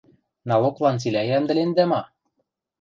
Налоглан цилӓ йӓмдӹлендӓ ма?